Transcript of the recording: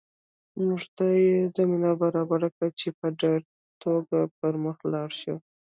موږ ته یې زمینه برابره کړې چې په ډاډه توګه پر مخ لاړ شو